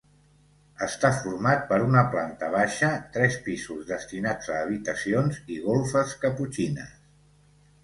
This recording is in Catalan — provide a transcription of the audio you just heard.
Està format per una planta baixa, tres pisos destinats a habitacions i golfes caputxines.